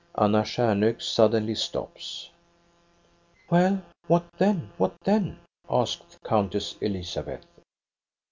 Anna Stjamhok suddenly stops. " Well, what then, what then ?" asks Countess Elizabeth.